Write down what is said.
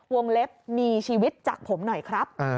เล็บมีชีวิตจากผมหน่อยครับ